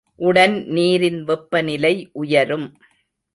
உடன் நீரின் வெப்பநிலை உயரும்.